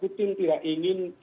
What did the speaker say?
putin tidak ingin